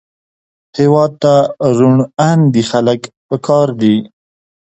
هېواد ته روڼ اندي خلک پکار دي